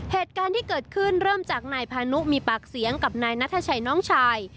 เหตุการณ์ที่เกิดขึ้นเริ่มจากนายพานุมีปากเสียงกับนายนัทชัยน้องชาย